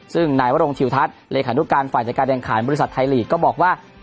ซึ่งนายวรงชิวทัศน์เลขานุการฝ่ายจัดการแข่งขันบริษัทไทยลีกก็บอกว่า